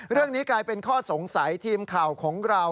เรื่องนี้กลายเป็นข้อสงสัยทีมข่าวของเรา